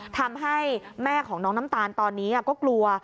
ทำให้แม่ของน้องน้ำตาลตอนนี้ก็กลัว